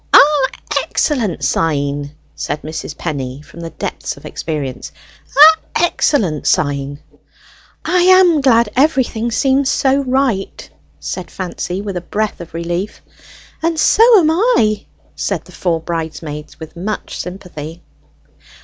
"A' excellent sign," said Mrs. Penny, from the depths of experience. "A' excellent sign." "I am glad everything seems so right," said Fancy with a breath of relief. "And so am I," said the four bridesmaids with much sympathy.